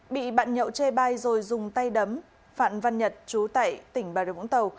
bị bạn nhậu chê bai rồi dùng tay đấm phạm văn nhật chú tệ tỉnh bà rịa vũng tàu